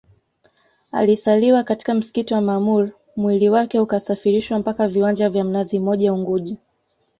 Aliswaliwa katika msikiti wa maamur mwili wake ukasafirishwa mpaka viwanja vya mnazi mmoja unguja